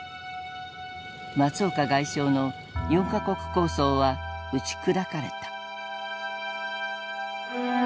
松岡外相の４か国構想は打ち砕かれた。